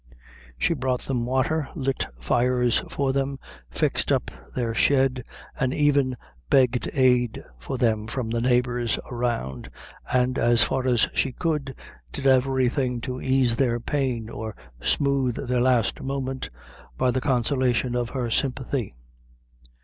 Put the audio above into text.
She brought them water, lit fires for them, fixed up their shed, and even begged aid for them from the neighbors around, and, as far as she could, did everything to ease their pain, or smooth their last moment by the consolation of her sympathy.